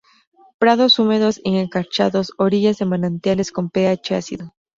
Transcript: Prados húmedos y encharcados, orillas de manantiales con pH ácido.